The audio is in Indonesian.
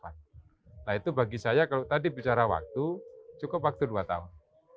nah itu bagi saya kalau tadi bicara waktu cukup waktu dua tahun